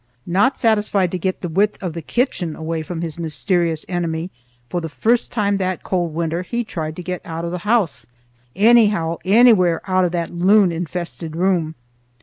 Not satisfied to get the width of the kitchen away from his mysterious enemy, for the first time that cold winter he tried to get out of the house, anyhow, anywhere out of that loon infested room.